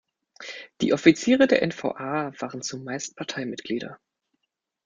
Die Offiziere der N-V-A waren zumeist Parteimitglieder.